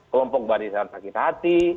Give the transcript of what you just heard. kelompok barisan sakit hati